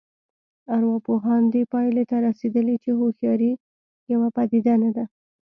ارواپوهان دې پایلې ته رسېدلي چې هوښیاري یوه پدیده نه ده